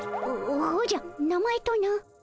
おおじゃ名前とな？